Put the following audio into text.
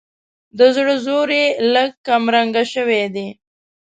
د زړه زور یې لږ کمرنګه شوی دی.